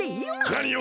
なにを！